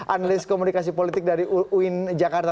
analis komunikasi politik dari uin jakarta